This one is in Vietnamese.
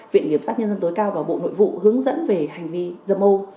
viện kiểm sát nhân dân tối cao và bộ nội vụ hướng dẫn về hành vi dâm ô